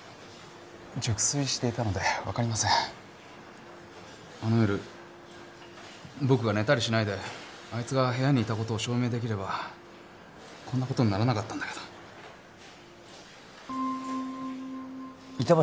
熟睡していたので分かりませんあの夜僕が寝たりしないであいつが部屋にいたことを証明できればこんなことにならなかったんだけど板橋